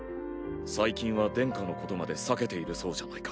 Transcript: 最近は殿下のことまで避けているそうじゃないか。